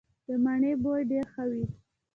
د مڼې بوی ډیر ښه وي.